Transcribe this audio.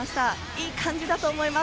いい感じだと思います。